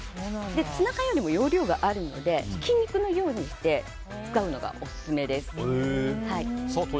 ツナ缶よりも容量があるのでひき肉のようにして使うのがオススメです。